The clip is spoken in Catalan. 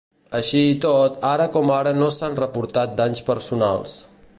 Així i tot, ara com ara no s’han reportat danys personals.